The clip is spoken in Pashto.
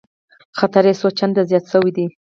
خطر یې څو چنده زیات شوی دی